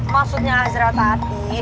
maksudnya azra tadi